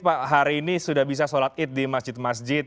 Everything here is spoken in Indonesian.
pak hari ini sudah bisa sholat id di masjid masjid